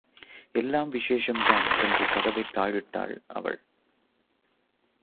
எல்லாம் விசேஷம்தான் என்று கதவைத் தாழிட்டாள் அவள்.